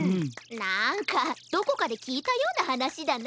なんかどこかできいたようなはなしだな。